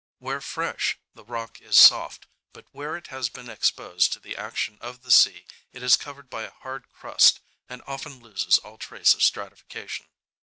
Where fresh the rock is soft, but where it has been exposed to the action of the sea it is covered by a hard crust and often loses all trace of stratification.